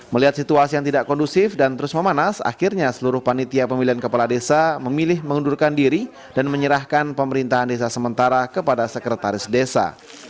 melihat situasi yang tidak kondusif dan terus memanas akhirnya seluruh panitia pemilihan kepala desa memilih mengundurkan diri dan menyerahkan pemerintahan desa sementara kepada sekretaris desa